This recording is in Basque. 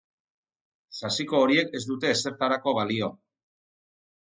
Sasiko horiek ez dute ezertarako balio.